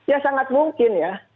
ya sangat mungkin ya